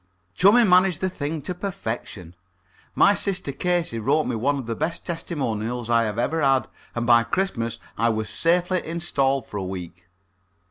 Chummie managed the thing to perfection. My sister Casey wrote me one of the best testimonials I have ever had, and by Christmas I was safely installed for a week.